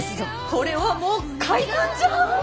これはもう怪談じゃあ！